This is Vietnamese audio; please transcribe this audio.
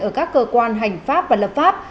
ở các cơ quan hành pháp và lập pháp